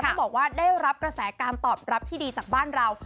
ต้องบอกว่าได้รับกระแสการตอบรับที่ดีจากบ้านเรา